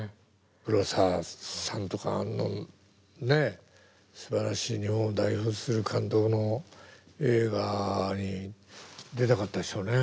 黒澤さんとかのねえすばらしい日本を代表する監督の映画に出たかったでしょうね。